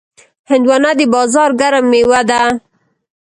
هندوانه د بازار ګرم میوه ده.